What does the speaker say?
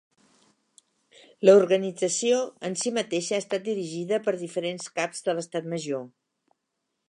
L'organització en si mateixa ha estat dirigida per diferents Caps de l'Estat Major.